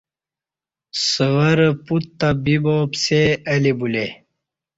سوہ رہ پت تہ بیبا پسے اہ لی بولے